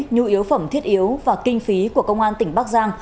nhu yếu phẩm thiết yếu và kinh phí của công an tỉnh bắc giang